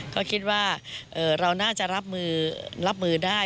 ก็คิดว่าเราน่าจะรับมือรับมือได้